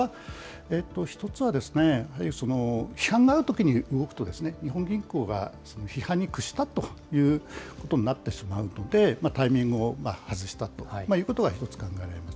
これは、一つは批判があるときに動くと、日本銀行が批判に屈したということになってしまうので、タイミングを外したということが一つ考えられます。